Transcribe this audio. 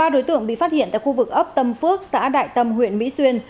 ba đối tượng bị phát hiện tại khu vực ấp tâm phước xã đại tâm huyện mỹ xuyên